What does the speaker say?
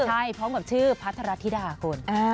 ใช่พร้อมกับชื่อพระถรติดาของคน